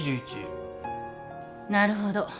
なるほど。